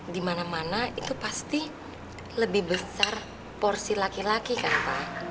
di mana mana itu pasti lebih besar porsi laki laki kan pak